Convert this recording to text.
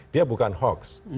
dia bukan hoax